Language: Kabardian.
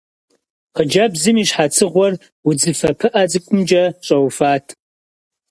Хъыджэбзым и щхьэцыгъуэр удзыфэ пыӀэ цӀыкӀумкӀэ щӀэуфат.